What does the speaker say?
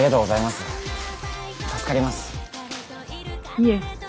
いえ。